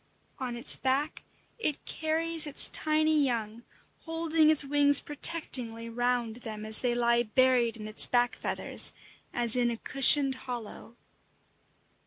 On its back it carries its tiny young, holding its wings protectingly round them as they lie buried in its back feathers as in a cushioned hollow.